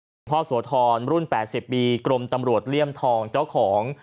สวัสดีครับพ่อสวทรรุ่น๘๐ปีกรมตำรวจเรียมทองเจ้าของ